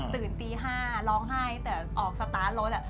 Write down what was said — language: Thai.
ตื่นตี๕ร้องไห้แต่ออกสตาร์ทรถ